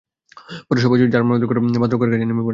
পরে সবাই যাঁর যাঁর মতো করে বাঁধ রক্ষার কাজে নেমে পড়েন।